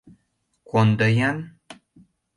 Кондо-ян.